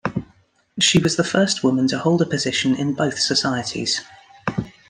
She was the first woman to hold a position in both societies.